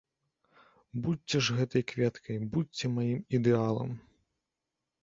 Будзьце ж гэтай кветкай, будзьце маім ідэалам!